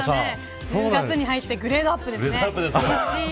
１０月に入ってグレードアップですね。